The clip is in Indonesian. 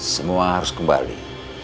semua harus kembali